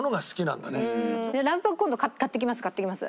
ラブパク今度買ってきます買ってきます。